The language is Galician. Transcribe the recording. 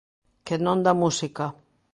Que non da música.